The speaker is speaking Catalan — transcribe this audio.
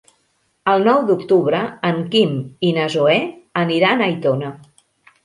El nou d'octubre en Quim i na Zoè aniran a Aitona.